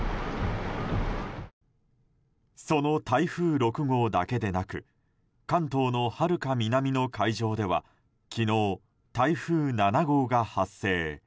その台風６号だけでなく関東のはるか南の海上では昨日、台風７号が発生。